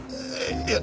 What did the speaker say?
いや。